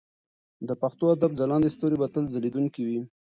د پښتو ادب ځلانده ستوري به تل ځلېدونکي پاتې شي.